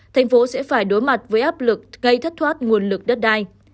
thành phố sẽ phải đối mặt với áp lực gây thất thoát nguồn lực đất đai